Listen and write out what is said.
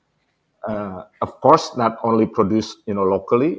tidak hanya membuat produk lokal